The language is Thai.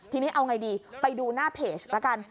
ทีนี้เอาไงดีไปดูหน้าเพจแล้วกัน